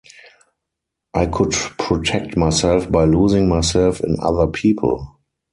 I could protect myself by losing myself in other people.